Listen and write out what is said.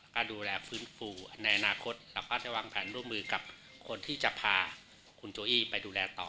ก็ดูแลฟื้นฟูในอนาคตเราก็จะวางแผนร่วมมือกับคนที่จะพาคุณโจอี้ไปดูแลต่อ